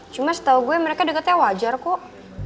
cuma setau gue mereka deketnya wajar kok